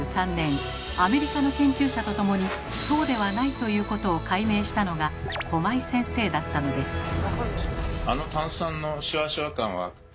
アメリカの研究者と共にそうではないということを解明したのが駒井先生だったのです。